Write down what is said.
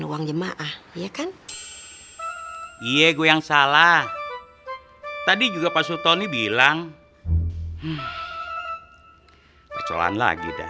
uang jemaah iya kan iya gue yang salah tadi juga pak sultoni bilang percobaan lagi dah